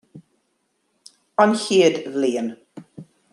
An Chéad Bhliain